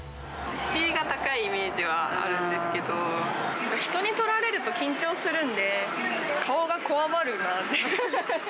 敷居が高いイメージはあるん人に撮られると緊張するんで、顔がこわばるなって。